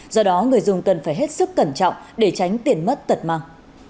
do đó người dùng cần phải hết sức cẩn trọng để tránh tiền mất tật mang